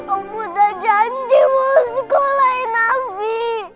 om udah janji mau sekolahin ami